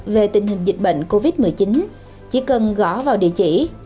về tình hình dịch bệnh covid một mươi chín chỉ cần gõ vào địa chỉ